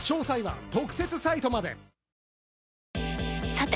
さて！